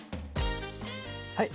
はい。